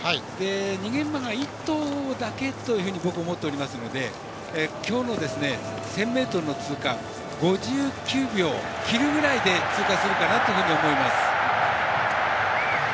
逃げ馬が１頭だけというふうに僕、思っておりますので今日の１０００ｍの通過５９秒を切るぐらいで通過するかなと思います。